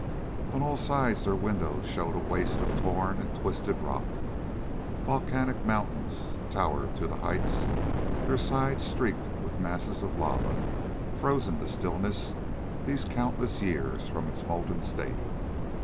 On all sides their windows showed a waste of torn and twisted rock. Volcanic mountains towered to the heights, their sides streaked with masses of lava, frozen to stillness these countless years from its molten state.